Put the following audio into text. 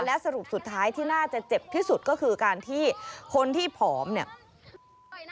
และสรุปสุดท้ายที่น่าจะเจ็บที่สุดก็คือการที่คนที่ผอมเนี่ย